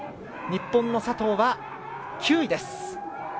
日本の佐藤は９位です。